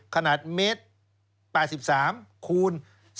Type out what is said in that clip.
ขนาดเมตร๘๓คูณ